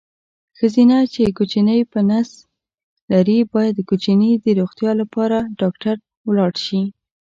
ښځېنه چې کوچینی په نس لري باید کوچیني د روغتیا لپاره ډاکټر ولاړ شي.